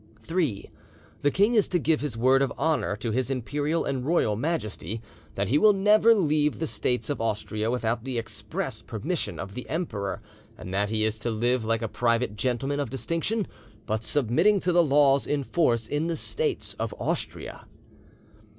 "3. The king is to give his word of honour to His Imperial and Royal Majesty that he will never leave the States of Austria without the express−permission of the Emperor, and that he is to live like a private gentleman of distinction, but submitting to the laws in force in the States of Austria.